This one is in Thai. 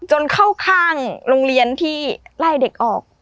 เข้าข้างโรงเรียนที่ไล่เด็กออก